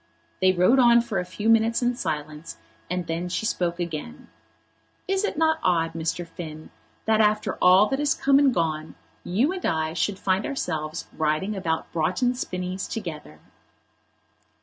They rode on for a few minutes in silence, and then she spoke again. "Is it not odd, Mr. Finn, that after all that has come and gone you and I should find ourselves riding about Broughton Spinnies together?"